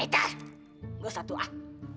eita gue satu ah